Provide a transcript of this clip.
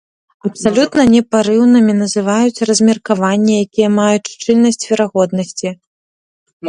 Абсалютна непарыўнымі называюць размеркаванні, якія маюць шчыльнасць верагоднасці.